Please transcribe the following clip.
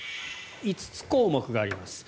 ５つ項目があります。